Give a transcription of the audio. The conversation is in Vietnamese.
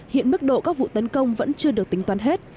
hiện mức độ các vụ tấn công vẫn chưa được tính toàn hết